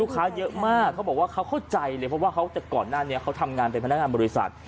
เขาเข้าใจเลยเพราะว่าตั้งแต่ก่อนหน้านี้เขาทำงานเป็นพนักงานบริษัท